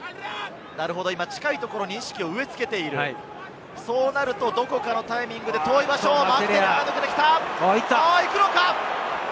近いところに意識を植え付けている、そうなると、どこかのタイミングで遠い場所、行くのか？